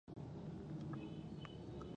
او امريکې په سياسي توګه هم